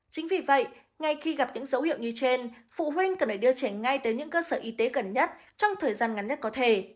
chính vì vậy ngay khi gặp những dấu hiệu như trên phụ huynh cần phải đưa trẻ ngay tới những cơ sở y tế gần nhất trong thời gian ngắn nhất có thể